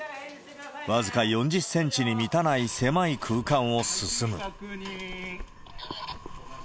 僅か４０センチに満たない狭い空間を進む。